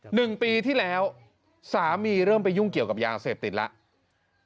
หนึ่งปีที่แล้วสามีเริ่มไปยุ่งเกี่ยวกับยาเสพติดแล้ว